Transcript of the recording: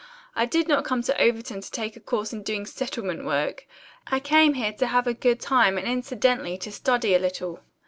I did not come to Overton to take a course in doing settlement work. I came here to have a good time, and incidentally to study a little."